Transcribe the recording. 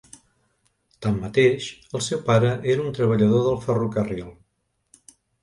Tanmateix, el seu pare era un treballador del ferrocarril.